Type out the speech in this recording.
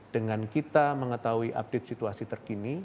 dengan kita mengetahui update situasi terkini